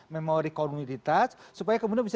memori komunitas supaya kemudian bisa